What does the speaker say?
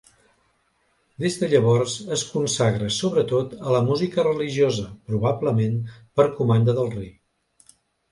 Des de llavors es consagra, sobretot, a la música religiosa, probablement per comanda del rei.